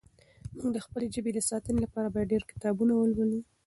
موږ د خپلې ژبې د ساتنې لپاره باید ډېر کتابونه ولولو.